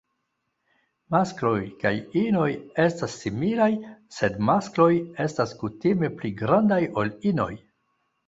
Maskloj kaj inoj estas similaj sed maskloj estas kutime pli grandaj ol inoj.